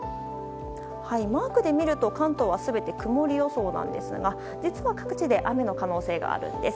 マークで見ると関東は全て曇り予想なんですが実は、各地で雨の可能性があるんです。